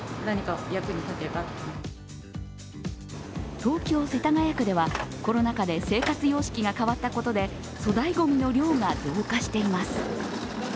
東京・世田谷区ではコロナ禍で生活様式が変わったことで粗大ごみの量が増加しています。